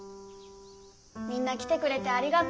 みんな来てくれてありがとう。